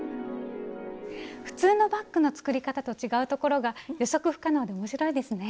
普通のバッグの作り方と違うところが予測不可能で面白いですね。